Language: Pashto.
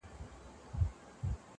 بل هیڅ ملي ارزښت نه مني